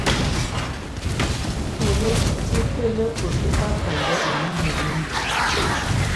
Tù nà tikǝ́nǝ́ besuǝ̀ bafandɛ ù mimǝ́ numǝ́.